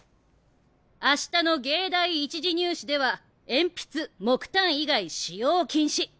明日の藝大１次入試では鉛筆木炭以外使用禁止。